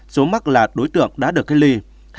số mắc là đối tượng đã được cây ly